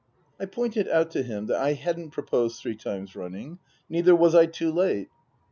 I pointed out to him that I hadn't proposed three times running, neither was I too late.